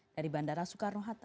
dari bandara soekarno hatta